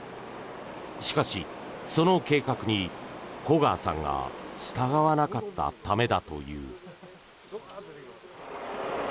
しかし、その計画に古川さんが従わなかったためだという。